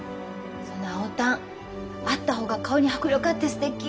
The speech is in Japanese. その青たんあった方が顔に迫力あってすてき！